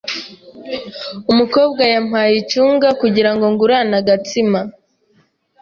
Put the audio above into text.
Umukobwa yampaye icunga kugirango ngurane agatsima.